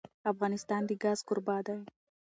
افغانستان د ګاز کوربه دی.